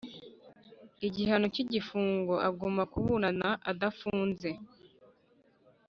Igihano cy igifungo aguma kuburana adafunze